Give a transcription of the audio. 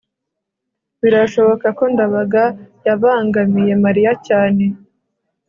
birashoboka ko ndabaga yabangamiye mariya cyane